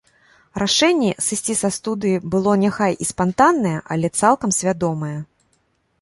Рашэнне сысці са студыі было няхай і спантаннае, але цалкам свядомае.